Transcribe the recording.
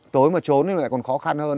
tối mà trốn thì lại còn khó khăn hơn